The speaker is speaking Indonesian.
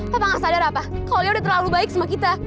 papa gak sadar apa kalau dia udah terlalu baik sama kita